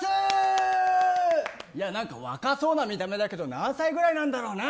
なんか若そうな見た目なんだけど何歳ぐらいなんだろうな。